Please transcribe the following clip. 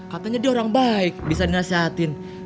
katanya dia orang baik bisa dinasehatin